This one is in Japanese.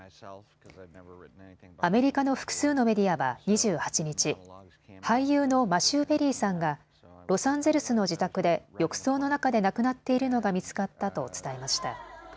アメリカの複数のメディアは２８日、俳優のマシュー・ペリーさんがロサンゼルスの自宅で浴槽の中で亡くなっているのが見つかったと伝えました。